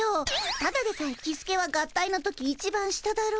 ただでさえキスケは合体の時いちばん下だろ？